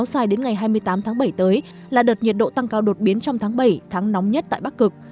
kéo dài đến ngày hai mươi tám tháng bảy tới là đợt nhiệt độ tăng cao đột biến trong tháng bảy tháng nóng nhất tại bắc cực